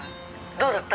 どうだった？